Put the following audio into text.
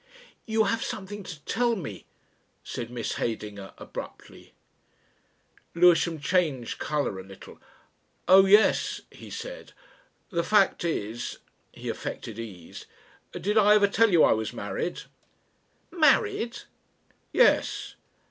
"You have something to tell me?" said Miss Heydinger abruptly. Lewisham changed colour a little. "Oh yes," he said; "the fact is " He affected ease. "Did I ever tell you I was married?" "Married?" "Yes."